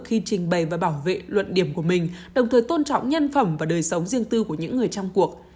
khi trình bày và bảo vệ luận điểm của mình đồng thời tôn trọng nhân phẩm và đời sống riêng tư của những người trong cuộc